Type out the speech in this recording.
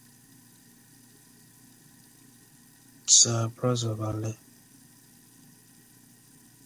The Vicente Fox Center of Studies, Library and Museum lies within the municipality.